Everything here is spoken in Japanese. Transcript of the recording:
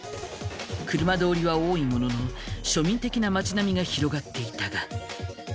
車通りは多いものの庶民的な町並みが広がっていたが。